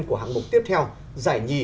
của hạng mục tiếp theo giải nhì